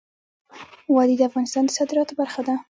وادي د افغانستان د صادراتو برخه ده.